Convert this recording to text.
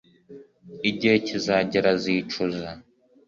Igihe kizagera azicuza